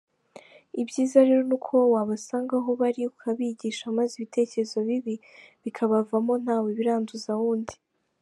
Ibyiza rero nuko wabasanga aho bari ukabigisha maze ibitekerezo bibi bikabavamo ntawe biranduza wundi.